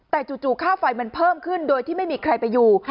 แต่จู่ค่าไฟมันเพิ่มขึ้นโดยที่ไม่มีใครไปอยู่